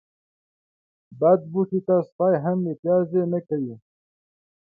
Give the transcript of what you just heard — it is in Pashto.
بد بوټي ته سپي هم متازې نه کوي.